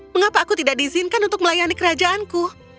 mengapa aku tidak diizinkan untuk melayani kerajaanku